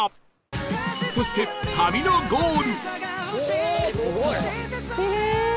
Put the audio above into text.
そして旅のゴール